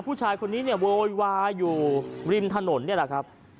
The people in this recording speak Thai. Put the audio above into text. ผู้ชายคนนี้เนี่ยโวยวายอยู่ริมถนนนี่แหละครับ